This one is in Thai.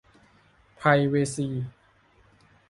ไพรเวซี